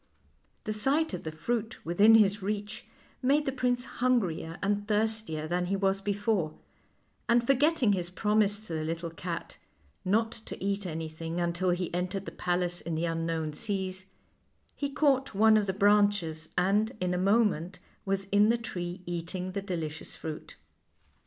The sight of the fruit within his reach made the prince hungrier and thirstier than he was before, and forgetting his promise to the little cat not to eat anything until he entered the palace in the unknown seas he caught one of the branches, and, in a moment, was in the tree eat ing the delicious fruit.